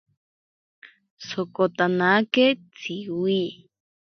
Sokotanake Tsiwi.